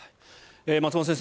松本先生